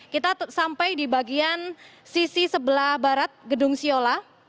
kita sampai di bagian sisi sebelah barat gedung siola